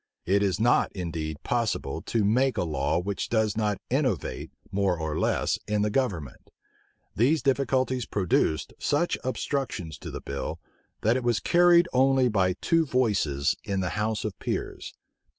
It is not indeed possible to make a law which does not innovate, more or less, in the government. These difficulties produced such obstructions to the bill, that it was carried only by two voices in the house of peers.